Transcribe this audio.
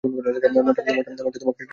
মন চায় তোমাকে একটা চুম্মা খাই।